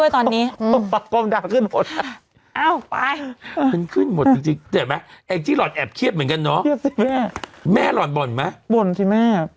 ต้องอีกอย่างกำลังขึ้นตามความดันไหม